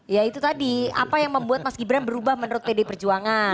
ya itu tadi apa yang membuat mas gibran berubah menurut pd perjuangan